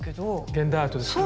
現代アートですよね。